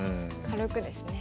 軽くですね。